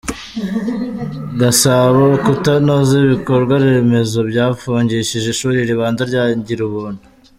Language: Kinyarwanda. Gasabo Kutanoza ibikorwaremezo byafungishije ishuri ribanza rya Girubuntu